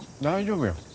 大丈夫や。